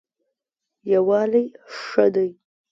یووالی ښه دی.